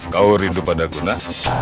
kau rindu pada guna